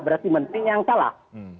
berarti menteri yang salah